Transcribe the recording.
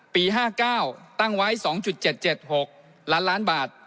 ปี๕๙ตั้งไว้๒๗๗๖ล้านล้านบาท